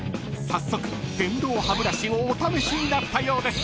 早速電動歯ブラシをお試しになったようです］